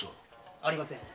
ありません。